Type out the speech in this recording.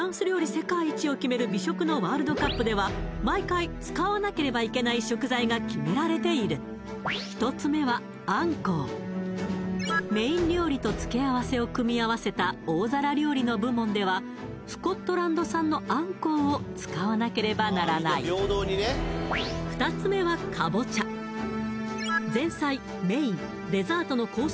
世界一を決める美食のワールドカップでは毎回使わなければいけない食材が決められている１つ目はアンコウメイン料理と付け合わせを組み合わせた大皿料理の部門ではスコットランド産のアンコウを使わなければならない２つ目はカボチャ前菜メインデザートのコース